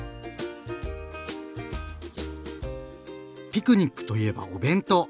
ピクニックといえばお弁当！